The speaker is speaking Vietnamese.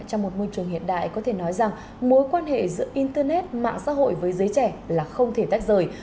trong một môi trường hiện đại có thể nói rằng mối quan hệ giữa internet mạng xã hội với giới trẻ là không thể tách rời